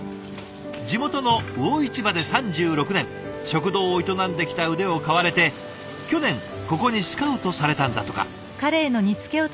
地元の魚市場で３６年食堂を営んできた腕を買われて去年ここにスカウトされたんだとか。